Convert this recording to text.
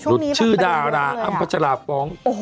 หลุดชื่อดาราอัลม่าทราบปอง